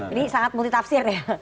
ini sangat multitafsir ya